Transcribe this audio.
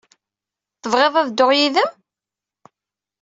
Tebɣid ad dduɣ yid-m?